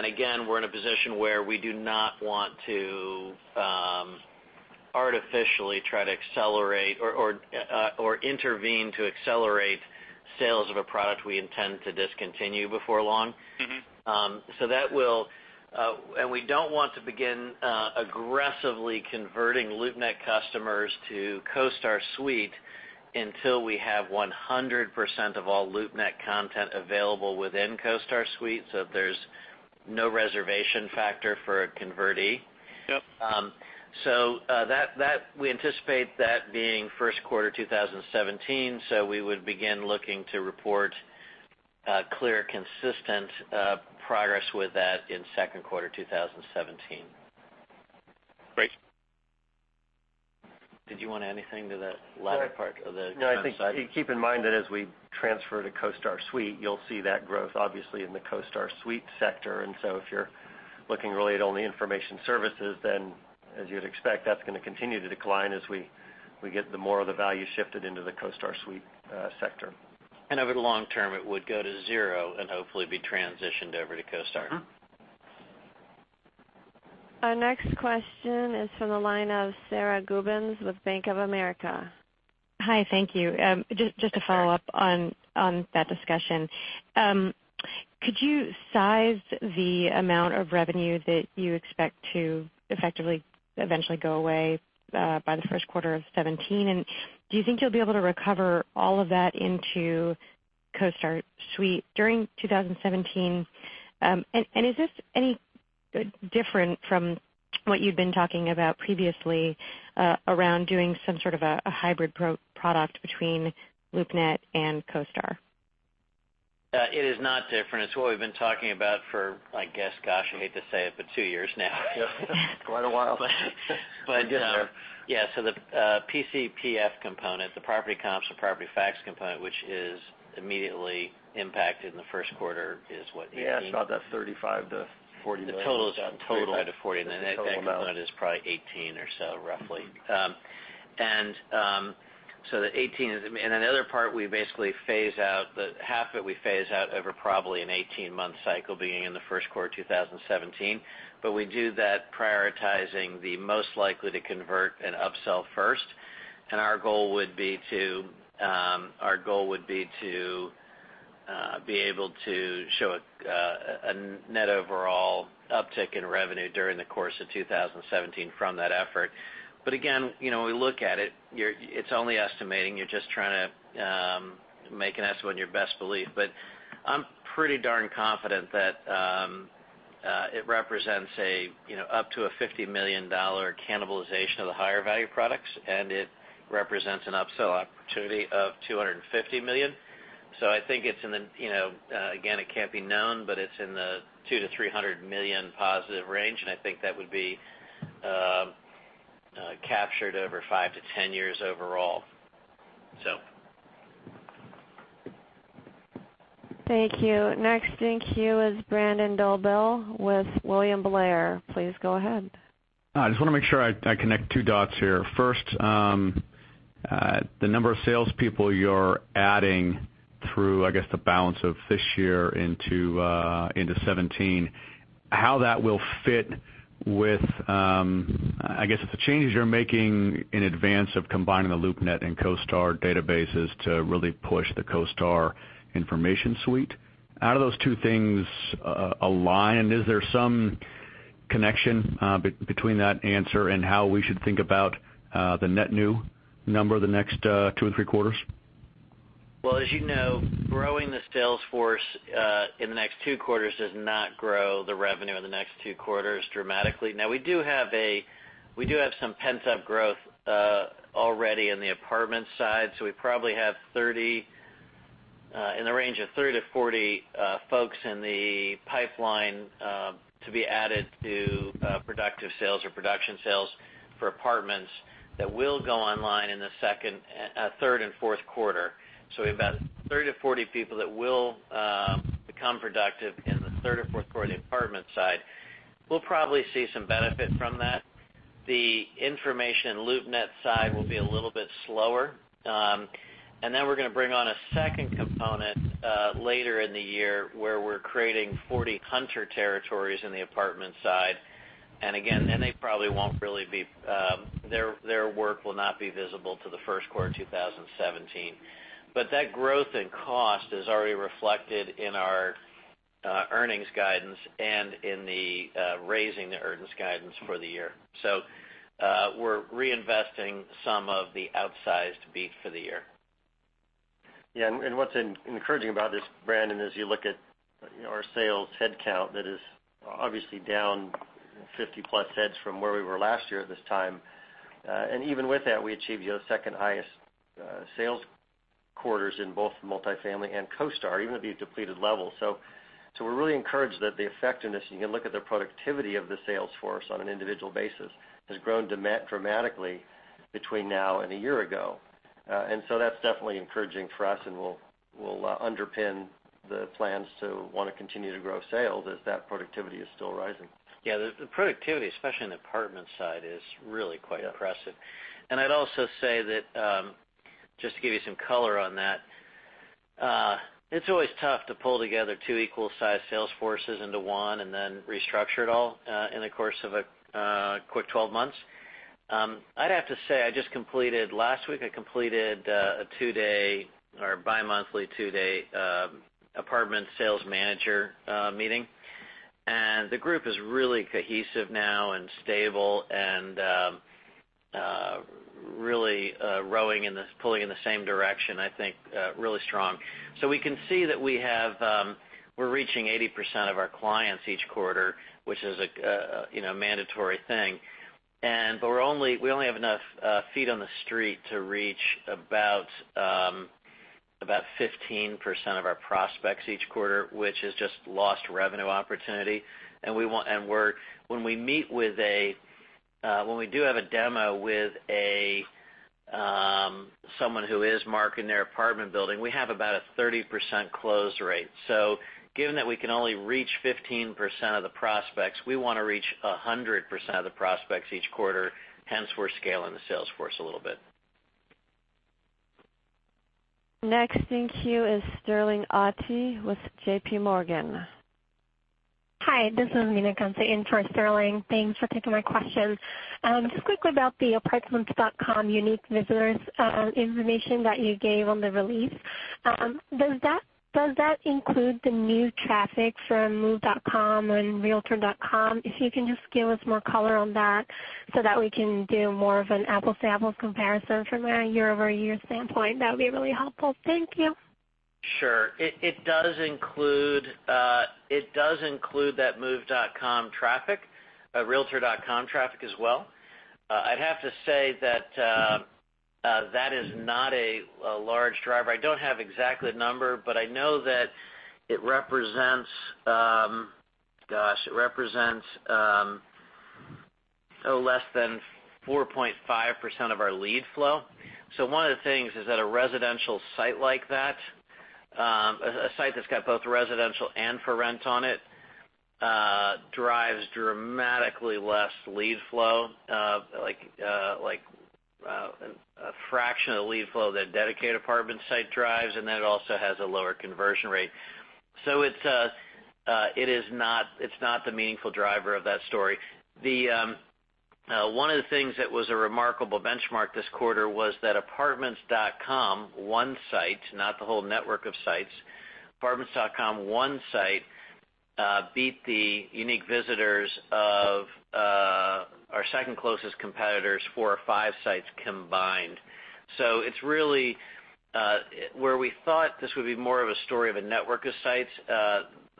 Again, we're in a position where we do not want to artificially try to accelerate or intervene to accelerate sales of a product we intend to discontinue before long. We don't want to begin aggressively converting LoopNet customers to CoStar Suite Until we have 100% of all LoopNet content available within CoStar Suite, so there's no reservation factor for a convertee. Yep. We anticipate that being first quarter 2017, so we would begin looking to report clear, consistent progress with that in second quarter 2017. Great. Did you want to add anything to that latter part of the comment side? No. I think keep in mind that as we transfer to CoStar Suite, you'll see that growth obviously in the CoStar Suite sector. If you're looking really at only information services, then as you'd expect, that's going to continue to decline as we get the more of the value shifted into the CoStar Suite sector. Over the long term, it would go to zero and hopefully be transitioned over to CoStar. Our next question is from the line of Sara Gubins with Bank of America. Hi, thank you. Just to follow up on that discussion. Could you size the amount of revenue that you expect to effectively eventually go away by the first quarter of 2017? Do you think you'll be able to recover all of that into CoStar Suite during 2017? Is this any different from what you'd been talking about previously around doing some sort of a hybrid product between LoopNet and CoStar? It is not different. It's what we've been talking about for, I guess, gosh, I hate to say it, but two years now. Yep. Quite a while. But- It did, sir Yeah, the PCPF component, the Property Comps, the Property Facts component, which is immediately impacted in the first quarter, is what, $18? Yeah. It's about that $35 million-$40 million. The total is about. Total $35 million-$40 million. That's the total amount. Then that component is probably 18 or so, roughly. Another part, we basically phase out the half that we phase out over probably an 18-month cycle, beginning in the first quarter 2017. We do that prioritizing the most likely to convert and upsell first. Our goal would be to be able to show a net overall uptick in revenue during the course of 2017 from that effort. Again, we look at it's only estimating. You're just trying to make an estimate in your best belief. But I'm pretty darn confident that it represents up to a $50 million cannibalization of the higher value products, and it represents an upsell opportunity of $250 million. I think, again, it can't be known, but it's in the $200 million to $300 million positive range, and I think that would be captured over five to 10 years overall. Thank you. Next in queue is Brandon Dobell with William Blair. Please go ahead. I just want to make sure I connect two dots here. First, the number of salespeople you're adding through the balance of this year into 2017, how that will fit with the changes you're making in advance of combining the LoopNet and CoStar databases to really push the CoStar Suite. How do those two things align? Is there some connection between that answer and how we should think about the net new number the next two or three quarters? As you know, growing the sales force in the next 2 quarters does not grow the revenue in the next 2 quarters dramatically. We do have some pent-up growth already in the apartment side, we probably have in the range of 30-40 folks in the pipeline to be added to productive sales or production sales for apartments that will go online in the third and fourth quarter. We have about 30-40 people that will become productive in the third or fourth quarter on the apartment side. We'll probably see some benefit from that. The information LoopNet side will be a little bit slower. We're going to bring on a second component later in the year where we're creating 40 hunter territories in the apartment side. Their work will not be visible till the first quarter 2017. That growth in CoStar is already reflected in our earnings guidance and in the raising the earnings guidance for the year. We're reinvesting some of the outsized beat for the year. What's encouraging about this, Brandon, is you look at our sales headcount, that is obviously down 50-plus heads from where we were last year at this time. Even with that, we achieved the second highest sales quarters in both multifamily and CoStar, even at the depleted level. We're really encouraged that the effectiveness, you can look at the productivity of the sales force on an individual basis, has grown dramatically between now and a year ago. That's definitely encouraging for us, and we'll underpin the plans to want to continue to grow sales as that productivity is still rising. The productivity, especially in the apartment side, is really quite impressive. Yeah. I'd also say that, just to give you some color on that, it's always tough to pull together two equal-sized sales forces into one and then restructure it all in the course of a quick 12 months. I'd have to say, just last week, I completed a bimonthly 2-day apartment sales manager meeting. The group is really cohesive now and stable, and really rowing and pulling in the same direction, I think, really strong. We can see that we're reaching 80% of our clients each quarter, which is a mandatory thing. We only have enough feet on the street to reach about 15% of our prospects each quarter, which is just lost revenue opportunity. When we do have a demo with someone who is marking their apartment building, we have about a 30% close rate. Given that we can only reach 15% of the prospects, we want to reach 100% of the prospects each quarter, hence we're scaling the sales force a little bit. Next in queue is Sterling Auty with JP Morgan. Hi, this is Mina Gonsai in for Sterling. Thanks for taking my questions. Just quickly about the apartments.com unique visitors information that you gave on the release. Does that include the new traffic from move.com and realtor.com? If you can just give us more color on that so that we can do more of an apple to apples comparison from a year-over-year standpoint, that would be really helpful. Thank you. Sure. It does include that move.com traffic, realtor.com traffic as well. I'd have to say that is not a large driver. I don't have exactly the number, but I know that it represents, gosh, less than 4.5% of our lead flow. One of the things is that a residential site like that, a site that's got both residential and for rent on it, drives dramatically less lead flow, like a fraction of the lead flow that a dedicated apartment site drives, and then it also has a lower conversion rate. It's not the meaningful driver of that story. One of the things that was a remarkable benchmark this quarter was that apartments.com, one site, not the whole network of sites, apartments.com, one site, beat the unique visitors of our second closest competitor's four or five sites combined. Where we thought this would be more of a story of a network of sites,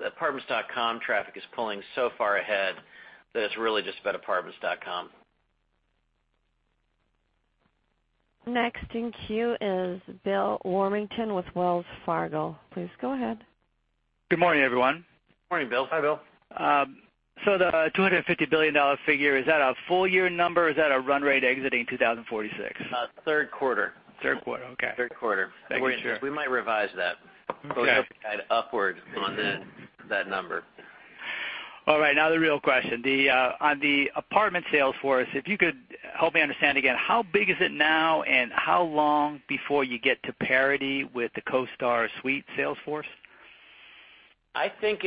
apartments.com traffic is pulling so far ahead that it's really just been apartments.com. Next in queue is Bill Warmington with Wells Fargo. Please go ahead. Good morning, everyone. Morning, Bill. Hi, Bill. The $250 billion figure, is that a full-year number, or is that a run rate exiting 2016? Third quarter. Third quarter, okay. Third quarter. Thank you. Sure. We might revise that. Okay. We hope to guide upward on that number. All right, now the real question. On the apartment sales force, if you could help me understand again, how big is it now, and how long before you get to parity with the CoStar suite sales force? I think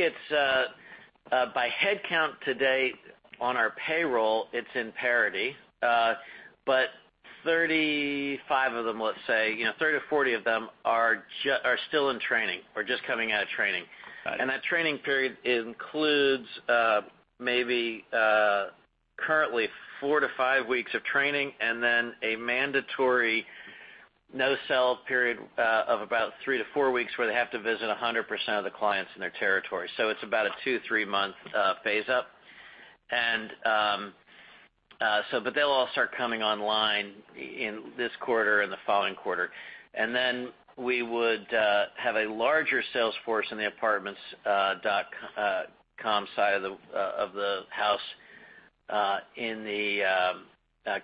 by head count to date on our payroll, it's in parity. 35 of them, let's say, 30 to 40 of them are still in training or just coming out of training. Got it. That training period includes maybe currently four to five weeks of training and then a mandatory no-sell period of about three to four weeks where they have to visit 100% of the clients in their territory. It's about a two, three-month phase-up. They'll all start coming online in this quarter and the following quarter. We would have a larger sales force in the apartments.com side of the house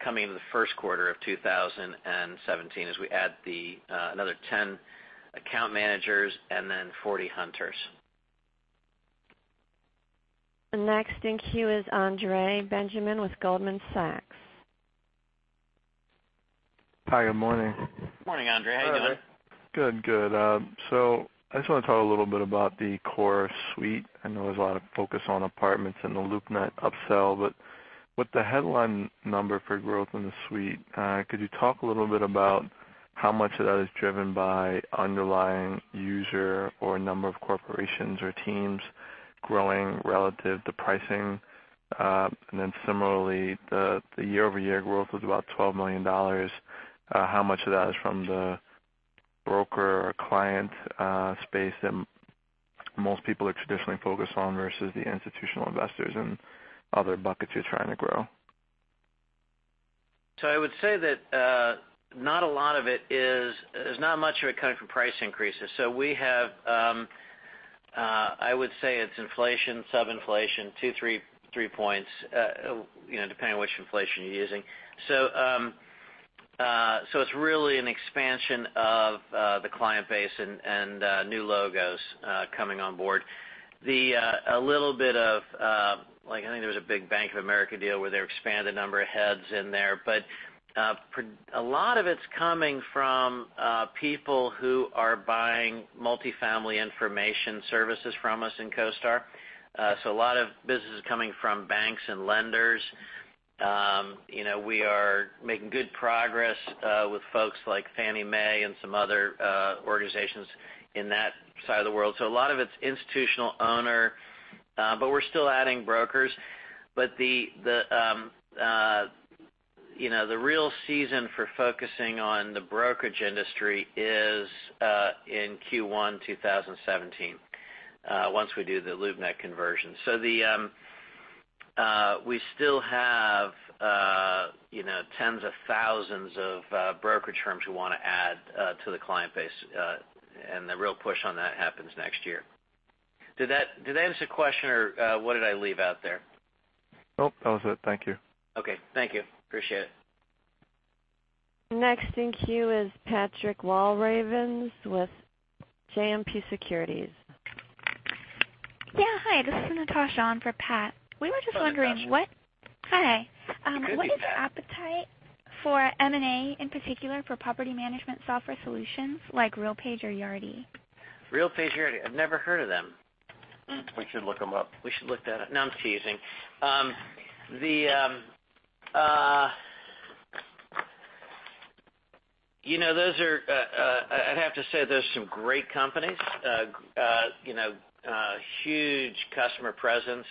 coming into the first quarter of 2017 as we add another 10 account managers and then 40 hunters. Next in queue is Andre Benjamin with Goldman Sachs. Hi, good morning. Morning, Andre. How you doing? Good. I just want to talk a little bit about the core suite. I know there's a lot of focus on apartments and the LoopNet upsell, but with the headline number for growth in the suite, could you talk a little bit about how much of that is driven by underlying user or number of corporations or teams growing relative to pricing? Then similarly, the year-over-year growth was about $12 million. How much of that is from the broker or client space that most people are traditionally focused on versus the institutional investors and other buckets you're trying to grow? I would say that not much of it is coming from price increases. I would say it's inflation, sub-inflation, two, three points, depending on which inflation you're using. It's really an expansion of the client base and new logos coming on board. I think there was a big Bank of America deal where they expanded the number of heads in there. A lot of it's coming from people who are buying multi-family information services from us in CoStar. A lot of business is coming from banks and lenders. We are making good progress with folks like Fannie Mae and some other organizations in that side of the world. A lot of it's institutional owner, but we're still adding brokers. The real reason for focusing on the brokerage industry is in Q1 2017, once we do the LoopNet conversion. We still have tens of thousands of brokerage firms who want to add to the client base, and the real push on that happens next year. Did that answer the question, or what did I leave out there? Nope. That was it. Thank you. Okay. Thank you. Appreciate it. Next in queue is Patrick Walravens with JMP Securities. Yeah. Hi, this is Natasha on for Pat. We were just wondering- Hi, Natasha. Hi. Good day, Pat. What is the appetite for M&A, in particular for property management software solutions like RealPage or Yardi? RealPage, Yardi. I've never heard of them. We should look them up. We should look that up. No, I'm teasing. I'd have to say those are some great companies. Huge customer presence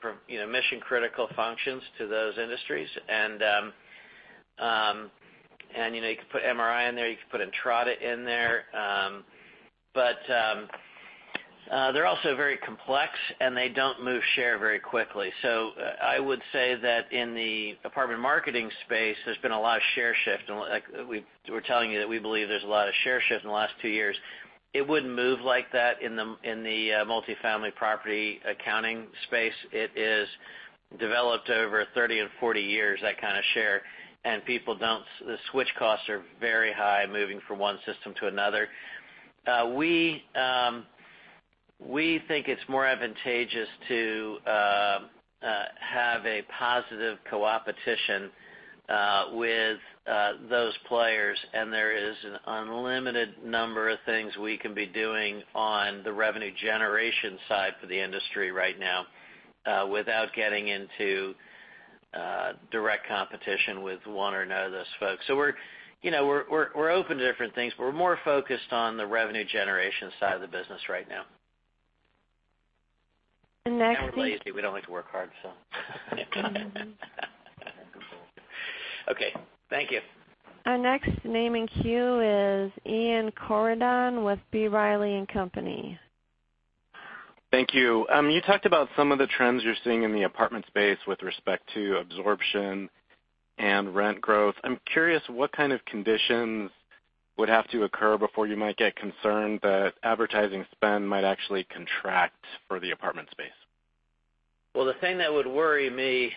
from mission-critical functions to those industries. You could put MRI in there, you could put Entrata in there. They're also very complex, and they don't move share very quickly. I would say that in the apartment marketing space, there's been a lot of share shift. We're telling you that we believe there's a lot of share shift in the last two years. It wouldn't move like that in the multifamily property accounting space. It is developed over 30 and 40 years, that kind of share, and the switch costs are very high moving from one system to another. We think it's more advantageous to have a positive co-opetition with those players, and there is an unlimited number of things we can be doing on the revenue generation side for the industry right now, without getting into direct competition with one or another of those folks. We're open to different things, but we're more focused on the revenue generation side of the business right now. The next- We're lazy. We don't like to work hard, so . Okay. Thank you. Our next name in queue is Ian Corydon with B. Riley & Co. Thank you. You talked about some of the trends you're seeing in the apartment space with respect to absorption and rent growth. I'm curious what kind of conditions would have to occur before you might get concerned that advertising spend might actually contract for the apartment space? The thing that would worry me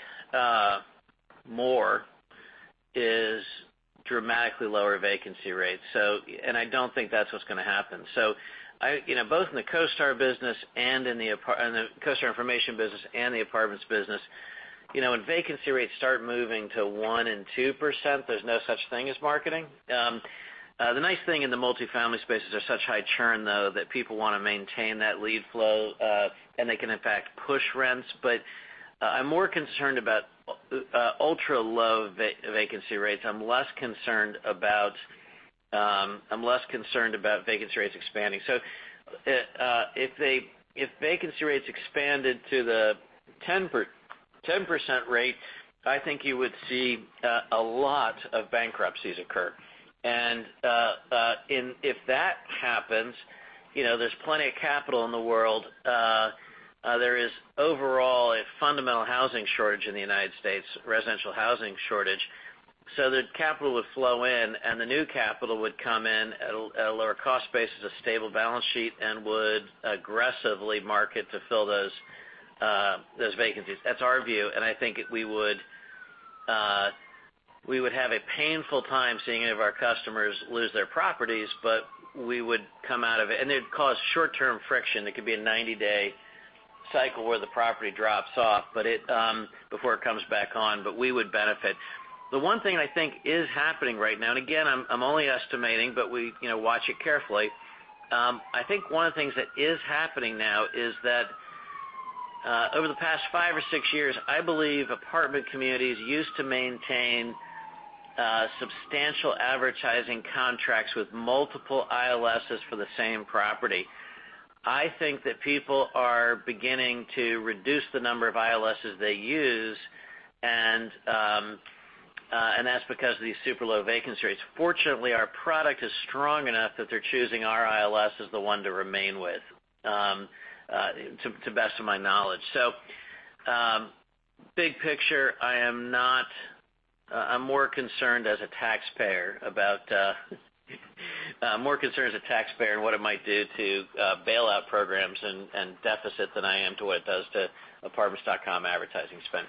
more is dramatically lower vacancy rates. I don't think that's what's going to happen. both in the CoStar information business and the apartments business, when vacancy rates start moving to 1% and 2%, there's no such thing as marketing. The nice thing in the multifamily space is there's such high churn, though, that people want to maintain that lead flow, and they can in fact push rents. I'm more concerned about ultra-low vacancy rates. I'm less concerned about vacancy rates expanding. if vacancy rates expanded to the 10% rate, I think you would see a lot of bankruptcies occur. if that happens, there's plenty of capital in the world. There is overall a fundamental housing shortage in the U.S., residential housing shortage. The capital would flow in, and the new capital would come in at a lower cost base as a stable balance sheet and would aggressively market to fill those vacancies. That's our view, and I think we would have a painful time seeing any of our customers lose their properties, but we would come out of it. It would cause short-term friction. It could be a 90-day cycle where the property drops off before it comes back on, but we would benefit. The one thing I think is happening right now, and again, I'm only estimating, but we watch it carefully. I think one of the things that is happening now is that over the past five or six years, I believe apartment communities used to maintain substantial advertising contracts with multiple ILSs for the same property. I think that people are beginning to reduce the number of ILSs they use, and that's because of these super low vacancy rates. Fortunately, our product is strong enough that they're choosing our ILS as the one to remain with, to best of my knowledge. Big picture, I'm more concerned as a taxpayer and what it might do to bailout programs and deficits than I am to what it does to apartments.com advertising spend.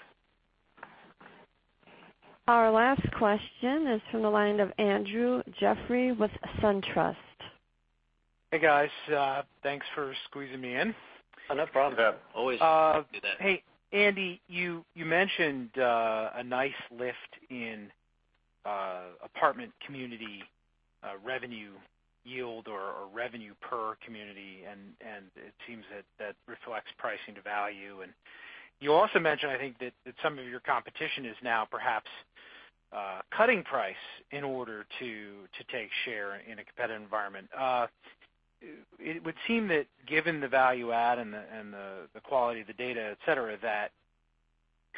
Our last question is from the line of Andrew Jeffery with SunTrust. Hey, guys. Thanks for squeezing me in. Oh, no problem. Yeah. Always. We can do that. Hey, Andy, you mentioned a nice lift in apartment community revenue yield or revenue per community, and it seems that reflects pricing to value. You also mentioned, I think that some of your competition is now perhaps cutting price in order to take share in a competitive environment. It would seem that given the value add and the quality of the data, et cetera, that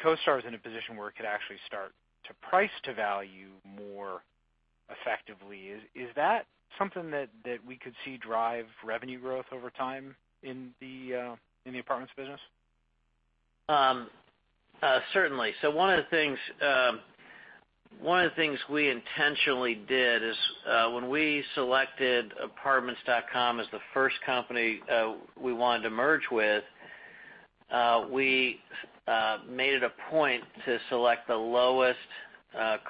CoStar is in a position where it could actually start to price to value more effectively. Is that something that we could see drive revenue growth over time in the apartments business? Certainly. One of the things we intentionally did is when we selected apartments.com as the first company we wanted to merge with, we made it a point to select the lowest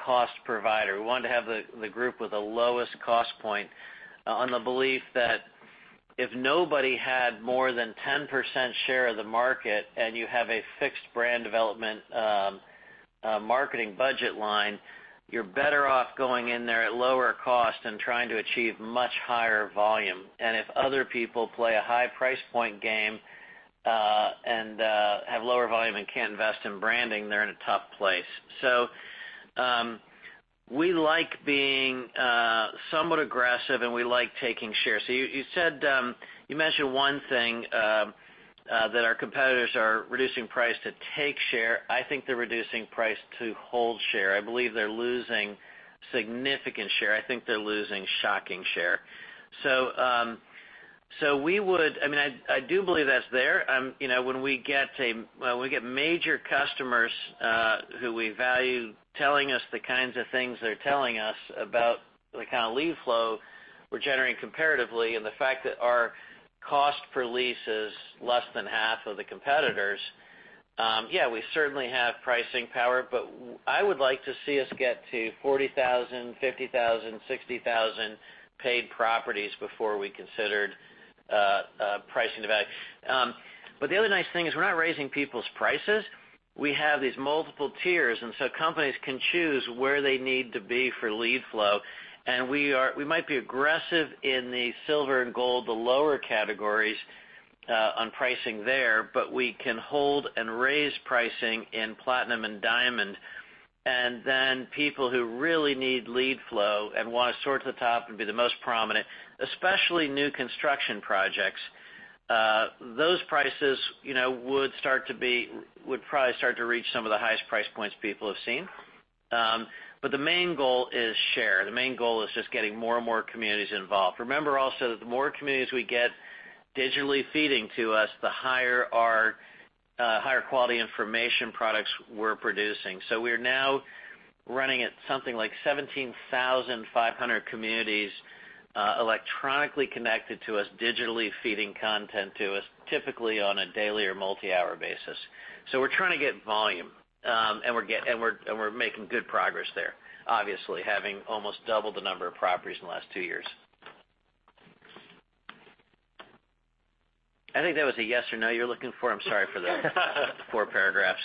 cost provider. We wanted to have the group with the lowest cost point on the belief that if nobody had more than 10% share of the market and you have a fixed brand development marketing budget line, you're better off going in there at lower cost and trying to achieve much higher volume. If other people play a high price point game, and have lower volume and can't invest in branding, they're in a tough place. We like being somewhat aggressive, and we like taking shares. You mentioned one thing, that our competitors are reducing price to take share. I think they're reducing price to hold share. I believe they're losing significant share. I think they're losing shocking share. I do believe that's there. When we get major customers who we value telling us the kinds of things they're telling us about the kind of lead flow we're generating comparatively, and the fact that our cost per lease is less than half of the competitors, yeah, we certainly have pricing power, but I would like to see us get to 40,000, 50,000, 60,000 paid properties before we considered pricing to value. The other nice thing is we're not raising people's prices. We have these multiple tiers, and so companies can choose where they need to be for lead flow. We might be aggressive in the silver and gold, the lower categories, on pricing there, but we can hold and raise pricing in platinum and diamond. then people who really need lead flow and want to sort to the top and be the most prominent, especially new construction projects, those prices would probably start to reach some of the highest price points people have seen. the main goal is share. The main goal is just getting more and more communities involved. Remember also that the more communities we get digitally feeding to us, the higher quality information products we're producing. we're now running at something like 17,500 communities electronically connected to us, digitally feeding content to us, typically on a daily or multi-hour basis. we're trying to get volume, and we're making good progress there. Obviously, having almost doubled the number of properties in the last two years. I think that was a yes or no you're looking for. I'm sorry for four paragraphs.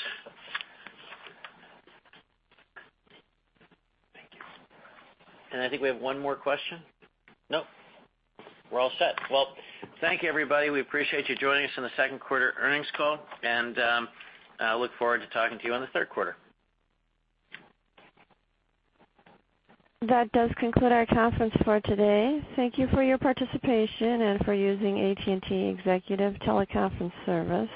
Thank you. I think we have one more question. Nope. We're all set. Well, thank you, everybody. We appreciate you joining us on the second quarter earnings call, and I look forward to talking to you on the third quarter. That does conclude our conference for today. Thank you for your participation and for using AT&T Executive Teleconference Service.